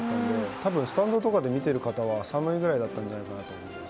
多分スタンドとかで見ていた方は寒いぐらいだったんじゃないかと思います。